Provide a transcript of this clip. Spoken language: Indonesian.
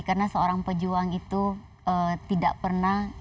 karena seorang pejuang itu tidak pernah